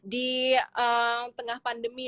di tengah pandemi